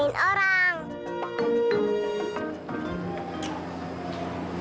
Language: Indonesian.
sekarang lo baik banget sih